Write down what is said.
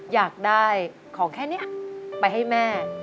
อยากได้ของแค่นี้ไปให้แม่